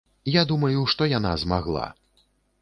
Я думаю, што яна змагла.